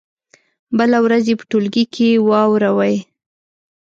بله ورځ یې په ټولګي کې واوروئ.